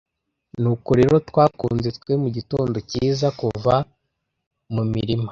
Nuko rero twakunze twe mugitondo cyiza: kuva mumirima